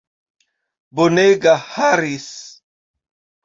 Bonega Harris!